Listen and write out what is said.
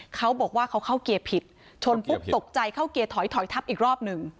เขาบอกว่าเขาเข้าเกียร์ผิดชนปุ๊บตกใจเข้าเกียร์ถอยถอยทับอีกรอบหนึ่ง